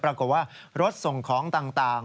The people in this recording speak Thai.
ปรากฏว่ารถส่งของต่าง